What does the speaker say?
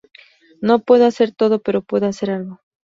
No puedo hacer todo, pero puedo hacer algo.